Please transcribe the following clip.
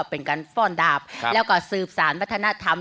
เป็นการฝ่อนดาบแล้วก็สืบสารปรัฏนาธรรม